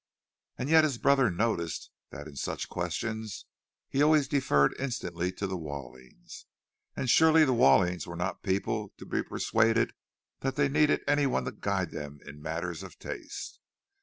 And yet his brother noticed that in such questions he always deferred instantly to the Wallings; and surely the Wallings were not people to be persuaded that they needed anyone to guide them in matters of taste.